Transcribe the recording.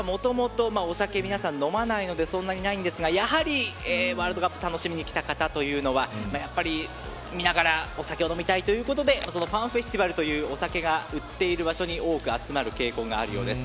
国としては、もともとお酒、皆さん飲まないんですがやはりワールドカップを楽しみに来た方というのは見ながらお酒を飲みたいということでファンフェスティバルというお酒が売っている場所に、多く集まる傾向があるようです。